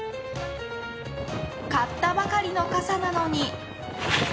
買ったばかりの傘なのに。